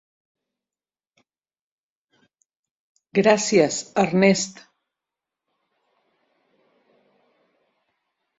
Gràcies, Ernest!